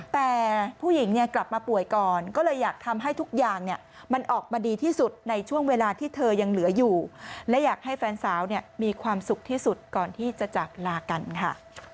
แต่ผู้หญิงเนี่ยกลับมาป่วยก่อนก็เลยอยากทำให้ทุกอย่างเนี่ยมันออกมาดีที่สุดในช่วงเวลาที่เธอยังเหลืออยู่และอยากให้แฟนสาวมีความสุขที่สุดก่อนที่จะจากลากันค่ะ